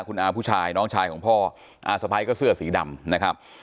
คุณอาผู้ชายน้องชายของพ่ออาสะพ้ายก็เสื้อสีดำนะครับ